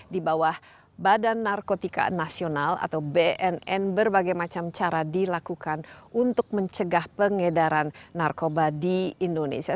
di bawah badan narkotika nasional atau bnn berbagai macam cara dilakukan untuk mencegah pengedaran narkoba di indonesia